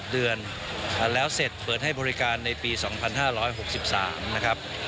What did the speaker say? เดือนแล้วเสร็จเปิดให้บริการในปี๒๕๖๓นะครับ